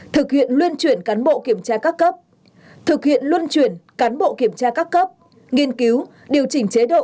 thực hiện luân chuyển cán bộ kiểm tra các cấp nghiên cứu điều chỉnh chế độ